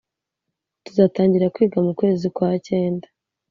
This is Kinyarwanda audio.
Tuzatangira kwiga mukwezi kwa cyenda